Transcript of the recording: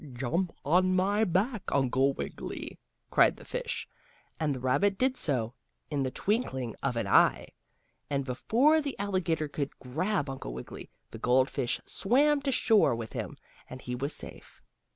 "Jump on my back, Uncle Wiggily!" cried the fish, and the rabbit did so, in the twinkling of an eye. And before the alligator could grab Uncle Wiggily, the goldfish swam to shore with him, and he was safe.